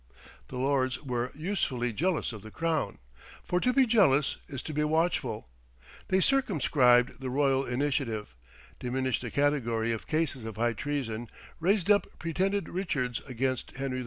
The Lords were usefully jealous of the Crown; for to be jealous is to be watchful. They circumscribed the royal initiative, diminished the category of cases of high treason, raised up pretended Richards against Henry IV.